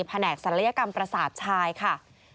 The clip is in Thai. แผนกศัลยกรรมประสาทชายค่ะ